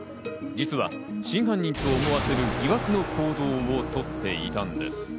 実は真犯人と思わせる疑惑の行動をとっていたんです。